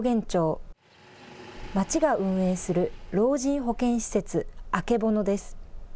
町が運営する老人保健施設あけぼのです。